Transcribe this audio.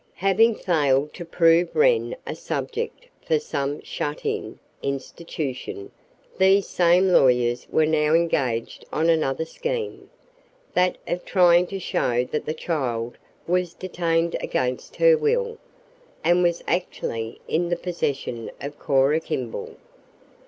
Having failed to prove Wren a subject for some "shut in" institution, these same lawyers were now engaged on another scheme, that of trying to show that the child was detained against her will, and was actually in the possession of Cora Kimball.